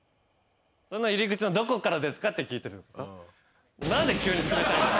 その入り口のどこからですかって聞いてる。